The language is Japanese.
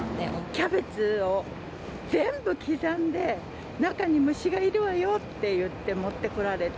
キャベツを全部刻んで、中に虫がいるわよって言って、持って来られて。